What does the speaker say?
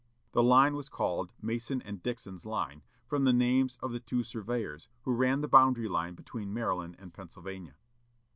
This line was called Mason and Dixon's line, from the names of the two surveyors who ran the boundary line between Maryland and Pennsylvania.